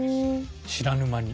知らぬ間に。